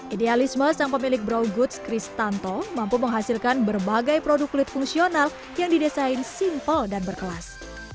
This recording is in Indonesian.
idealisme sang pemilik brow goods chris tanto mampu menghasilkan berbagai produk kulit fungsional yang didesain simple dan berkelas